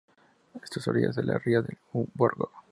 Esta a orillas de la ría de O Burgo.